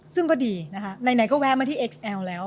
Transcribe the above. ซึ่งก็ดีนะคะไหนก็แวะมาที่เอ็กซเอลแล้ว